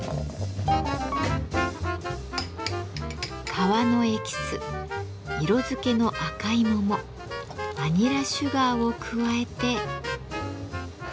皮のエキス色付けの赤い桃バニラシュガーを加えて。